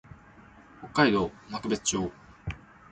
北海道幕別町